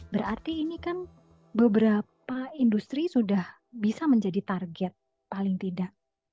berarti ini kan beberapa industri sudah bisa menjadi target paling tidak